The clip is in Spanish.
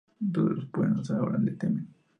Todos los peones ahora le temen.